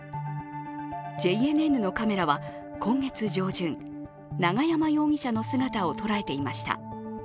ＪＮＮのカメラは今月上旬、永山容疑者の姿を捉えていました。